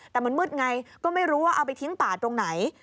แต่มันมืดไงก็ไม่รู้ว่าเอาไปทิ้งป่าตรงไหน